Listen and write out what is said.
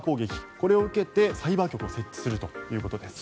これを受けてサイバー局を設置するということです。